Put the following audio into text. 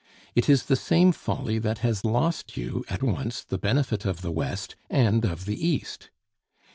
It is the same folly that has lost you at once the benefit of the West and of the East.